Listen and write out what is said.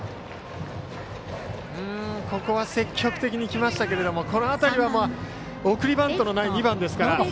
ここは積極的にいきましたけどもこの辺りは送りバントのない２番ですから。